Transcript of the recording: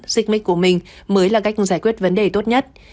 xích mích của mình mới là cách giải quyết vấn đề tốt nhất